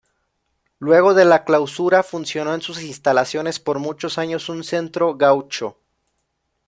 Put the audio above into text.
Luego de la clausura funcionó en sus instalaciones por muchos años un centro gaucho.